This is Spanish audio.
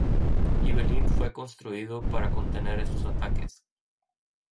Ibelín fue construido para contener esos ataques.